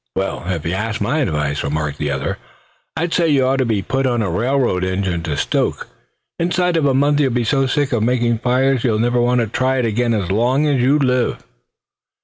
"Well, if they asked my advice," remarked the other, "I'd say you ought to be put on a railroad engine to stoke. Inside of a month you'd be so sick of making fires you'd never want to try it again as long as you lived."